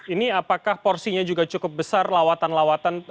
ini apakah porsinya juga cukup besar lawatan lawatan